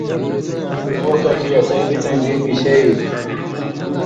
”او ککی اسے بِڅَیں ژیب گِشے ای تھی“